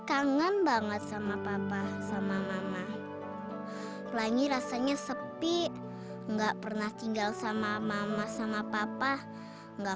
kangen banget sama papa sama mama pelangi rasanya sepi enggak pernah tinggal sama mama sama papa enggak